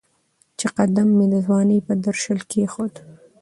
چې قدم مې د ځوانۍ په درشل کېښود